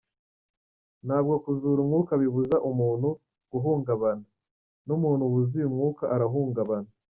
Ntabwo kuzura umwuka bibuza umuntu guhungabana, n’umuntu wuzuye umwuka arahungabana.